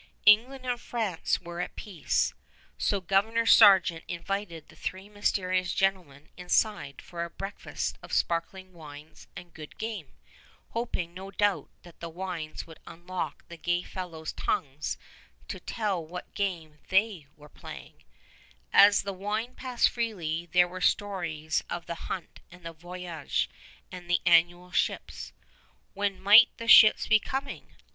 [Illustration: CONTEMPORARY FRENCH MAP OF HUDSON BAY AND VICINITY] England and France were at peace; so Governor Sargeant invited the three mysterious gentlemen inside to a breakfast of sparkling wines and good game, hoping no doubt that the wines would unlock the gay fellows' tongues to tell what game they were playing. As the wine passed freely, there were stories of the hunt and the voyage and the annual ships. When might the ships be coming?